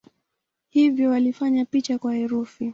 Hivyo walifanya picha kuwa herufi.